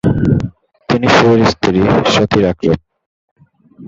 তিনি শিবের স্ত্রী সতীর এক রূপ।